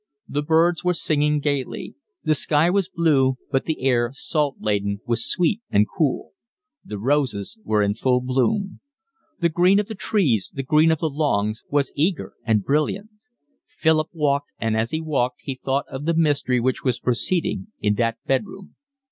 The birds were singing gaily. The sky was blue, but the air, salt laden, was sweet and cool. The roses were in full bloom. The green of the trees, the green of the lawns, was eager and brilliant. Philip walked, and as he walked he thought of the mystery which was proceeding in that bedroom.